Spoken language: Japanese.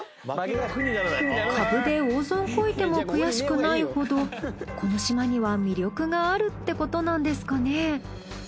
株で大損こいても悔しくないほどこの島には魅力があるってことなんですかね。